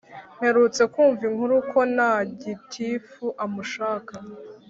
mperutse kumva inkuru ko na gitifu amushaka